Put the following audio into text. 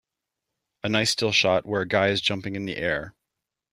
A nice still shot where a guy is jumping in the air.